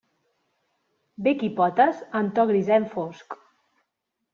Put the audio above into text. Bec i potes en to grisenc fosc.